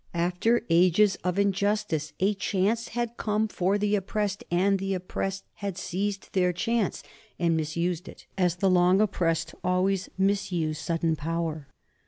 After ages of injustice a chance had come for the oppressed, and the oppressed had seized their chance and misused it, as the long oppressed always misuse sudden power.